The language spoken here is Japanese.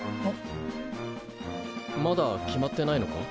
まだ決まってないのか？